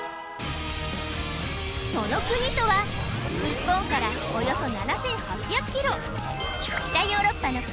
その国とは日本からおよそ７８００キロ北ヨーロッパの国